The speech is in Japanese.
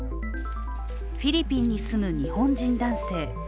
フィリピンに住む日本人男性。